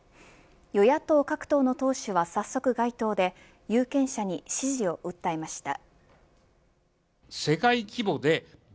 与野党各党の党首は早速街頭で有権者に支持を訴えました。